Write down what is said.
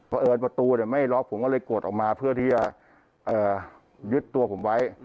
เพราะเอิญประตูไม่ล็อกผมก็เลยกดออกมาเพื่อที่จะยึดตัวผมไว้